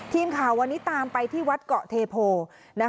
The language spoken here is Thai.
ทีมข่าววันนี้ตามไปที่วัดเกาะเทโพ